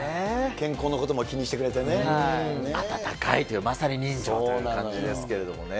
健康のことも気にしてくれて温かいという、まさに人情という感じですけれどもね。